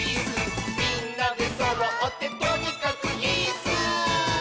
「みんなでそろってとにかくイス！」